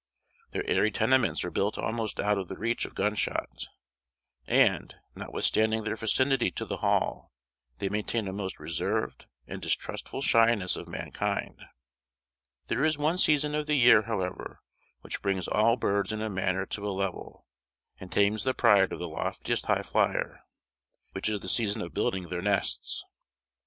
Their airy tenements are built almost out of the reach of gunshot; and, notwithstanding their vicinity to the Hall, they maintain a most reserved and distrustful shyness of mankind. There is one season of the year, however, which brings all birds in a manner to a level, and tames the pride of the loftiest highflyer; which is the season of building their nests.